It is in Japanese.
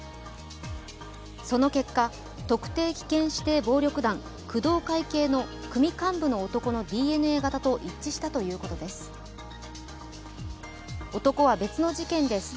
その結果、特定危険指定暴力団・工藤会系の組幹部の男のＤＮＡ型と一致したということですす。